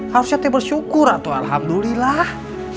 harusnya teh bersyukur atu alhamdulillah